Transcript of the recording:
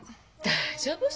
大丈夫？